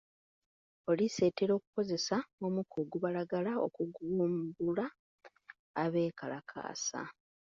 Poliisi etera okukozesa omukka ogubalagala okugumbulula abeekalakaasa.